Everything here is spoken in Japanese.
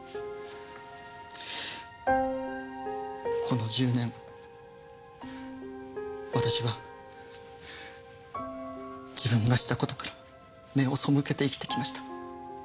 この１０年私は自分がした事から目を背けて生きてきました。